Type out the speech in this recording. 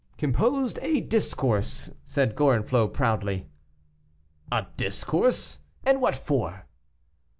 "Composed a discourse," said Gorenflot proudly. "A discourse, and what for?"